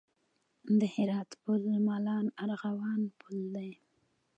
د هرات پل مالان ارغوان پل دی